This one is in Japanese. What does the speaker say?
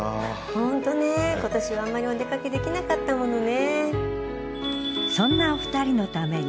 ホントね今年はあんまりお出かけできなかったものね。